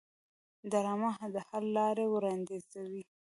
ډرامه د حل لارې وړاندیزوي